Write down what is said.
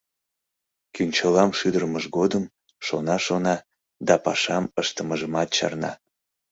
Кӱнчылам шӱдырымыж годым шона-шона да пашам ыштымыжымат чарна.